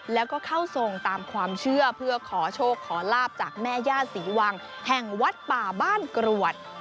แล้วก็เข้าทรงตามความเชื่อเพื่อขอโชคขอลาบจากแม่ย่าศรีวังแห่งวัดป่าบ้านกรวด